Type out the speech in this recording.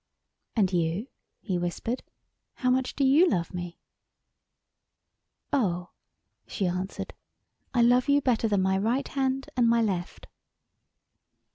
"And you," he whispered, "how much do you love me?" "Oh," she answered, "I love you better than my right hand and my left."